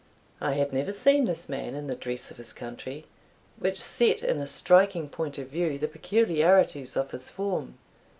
I had never seen this man in the dress of his country, which set in a striking point of view the peculiarities of his form.